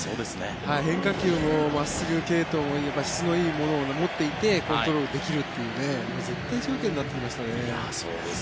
変化球も真っすぐ系統も質のいいものを持っていてコントロールできるっていう絶対条件になってきましたね。